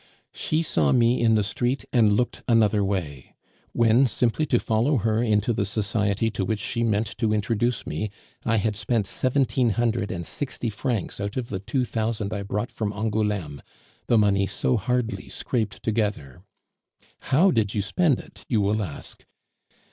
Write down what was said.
She saw me in the street and looked another way; when, simply to follow her into the society to which she meant to introduce me, I had spent seventeen hundred and sixty francs out of the two thousand I brought from Angouleme, the money so hardly scraped together. 'How did you spend it?' you will ask.